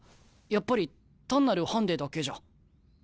やっぱり単なるハンデだけじゃ。